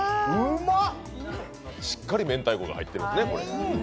しっかりめんたいこが入ってるんですね。